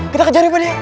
kita kejarin pak deh